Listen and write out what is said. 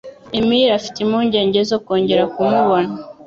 Emily afite impungenge zo kongera kumubona.